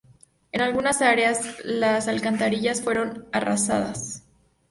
En algunas áreas, las alcantarillas fueron arrasadas.